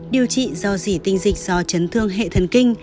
điều trị do dị tinh dịch do chấn thương hệ thần kinh